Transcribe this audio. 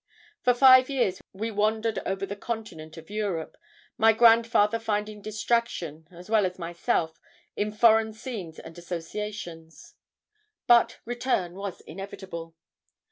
For five years we wandered over the continent of Europe, my grandfather finding distraction, as well as myself, in foreign scenes and associations. "But return was inevitable.